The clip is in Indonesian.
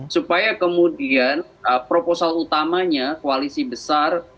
supaya kemudian proposal utamanya koalisi besar